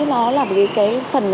nó là cái phần